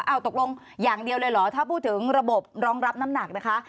เอาตกลงอย่างเดียวเลยเหรอถ้าพูดถึงระบบรองรับน้ำหนักนะคะ